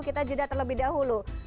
kita jeda terlebih dahulu